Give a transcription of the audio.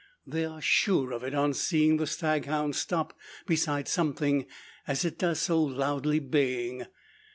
They are sure of it, on seeing the stag hound stop beside something, as it does so loudly baying.